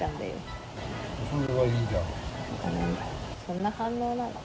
そんな反応なの？